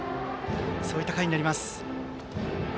そういった回になります。